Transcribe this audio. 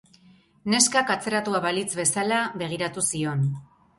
Neskak atzeratua balitz bezala begiratu zion.